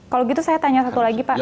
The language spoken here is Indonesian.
kalau gitu saya tanya satu lagi pak